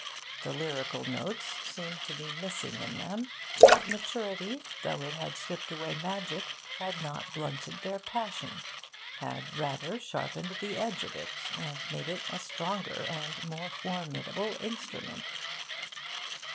The lyrical notes seemed to be missing in them. But maturity, though it had stripped away magic, had not blunted their passion had, rather, sharpened the edge of it, and made it a stronger and more formidable instrument.